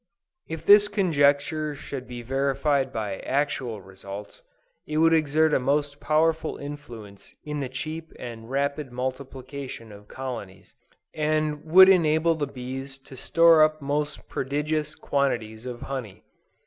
If this conjecture should be verified by actual results, it would exert a most powerful influence in the cheap and rapid multiplication of colonies, and would enable the bees to store up most prodigious quantities of honey.